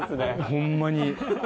ホンマに。